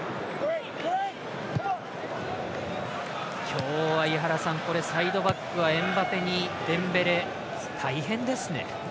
今日はサイドバックはエムバペにデンベレ、大変ですね。